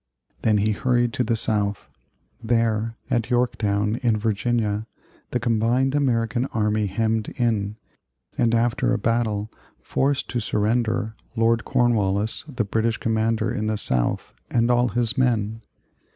Then he hurried to the South. There, at Yorktown, in Virginia, the combined American army hemmed in, and after a battle forced to surrender, Lord Cornwallis, the British commander in the South, and all his men.